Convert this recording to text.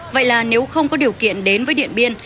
vậy là nếu không có điều kiện đến với điện biên